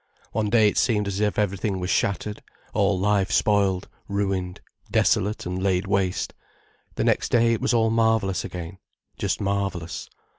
One day it seemed as if everything was shattered, all life spoiled, ruined, desolate and laid waste. The next day it was all marvellous again, just marvellous.